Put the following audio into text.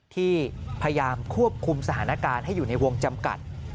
ที่พยายามควบคุมสถานการณ์ให้อยู่ในวงจำกัด